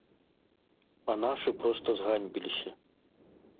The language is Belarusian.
А нашы проста зганьбіліся.